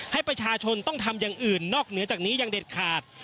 ให้ประชาชนต้องทำอย่างอื่นนอกเหนือจากนี้ยังเด็ดขาด